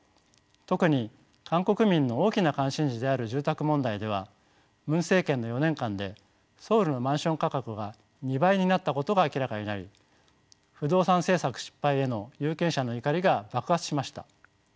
特に韓国民の大きな関心事である住宅問題ではムン政権の４年間でソウルのマンション価格が２倍になったことが明らかになり不動産政策失敗への有権者の怒りが爆発しました。